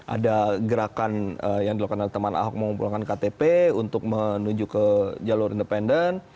ada gerakan yang dilakukan oleh teman ahok mengumpulkan ktp untuk menuju ke jalur independen